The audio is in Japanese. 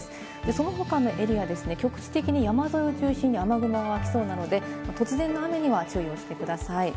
その他のエリアですね、局地的に山沿いを中心に雨雲が湧きそうなので、突然の雨には注意をしてください。